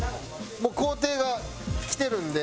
もう工程が来てるんで。